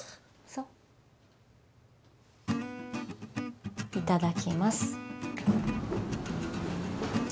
そういただきます